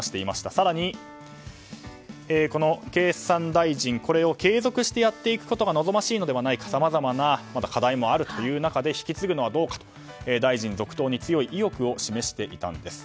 更に、この経産大臣を継続してやっていくことが望ましいのではないかさまざまな課題もあるという中で引き継ぐのはどうか大臣続投に強い意欲を示していたんです。